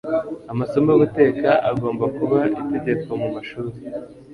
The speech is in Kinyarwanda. Amasomo yo guteka agomba kuba itegeko mumashuri.